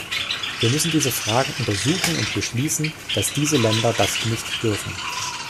Wir müssen diese Fragen untersuchen und beschließen, dass diese Länder das nicht dürfen.